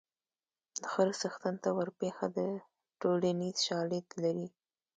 د خره څښتن ته ورپېښه ده ټولنیز شالید لري